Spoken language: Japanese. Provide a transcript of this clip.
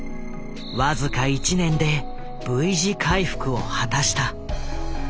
僅か１年でＶ字回復を果たした。